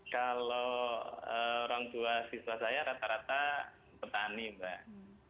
kalau orang tua siswa saya rata rata petani mbak